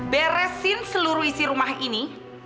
beresin seluruh isi rumah ini